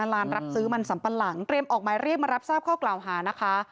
ร้านรับซื้อมันสัมปะหลังเตรียมออกหมายเรียกมารับทราบข้อกล่าวหานะคะ